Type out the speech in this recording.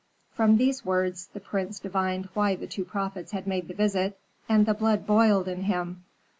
From these words the prince divined why the two prophets had made the visit, and the blood boiled in him.